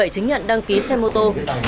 một mươi bảy chứng nhận đăng ký xe mô tô